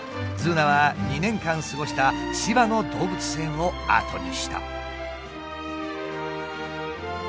ズーナは２年間過ごした千葉の動物園を後にした。